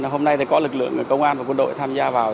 hôm nay thì có lực lượng công an và quân đội tham gia vào